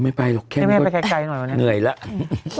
อ่อไม่ไปหรอกแค่ให้แม่ไปไกลหน่อยหรอกนะเง่ยแล้วแล้วก็อยุม